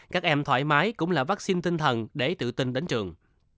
các em thoải mái cũng là vaccine tinh thần để tự tin đến trường